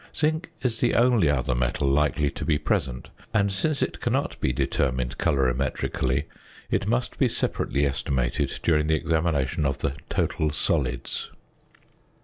~ Zinc is the only other metal likely to be present; and, since it cannot be determined colorimetrically, it must be separately estimated during the examination of the "total solids."